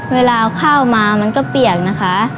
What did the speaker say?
เวลาเอาข้าวมามันก็เปียกนะคะ